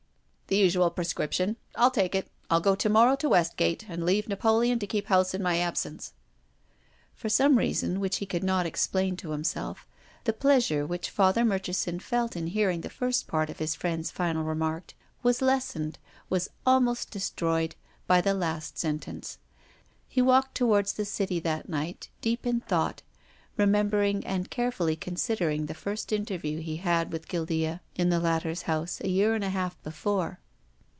The usual prescription. I'll take it. I'll go to morrow to Westgate and leave Napoleon to keep house in my absence." For some reason, which he could not explain to himself, the pleasure which Father Murchison felt in hearing the first part of his friend's final remark was lessened, was almost destroyed, by the last sentence. He walked towards the City that night, deep in thought, remembering and carefully consider ing the first interview he had with Guildea in the latter's house a year and a half before.